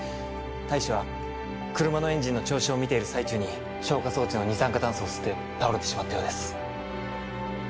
大使は車のエンジンの調子を見ている最中に消火装置の二酸化炭素を吸って倒れてしまったようです